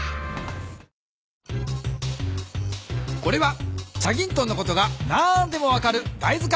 これは『チャギントン』のことが何でも分かるだい